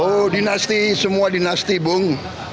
oh dinasti semua dinasti bung